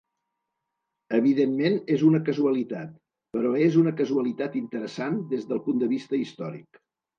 Evidentment és una casualitat, però és una casualitat interessant del punt de vista històric.